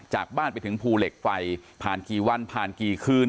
จากบ้านไปถึงภูเหล็กไฟผ่านกี่วันผ่านกี่คืน